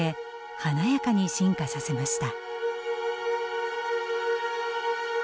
華やかに進化させました。